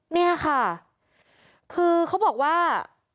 เนี่ยค่ะคือเขาบอกว่า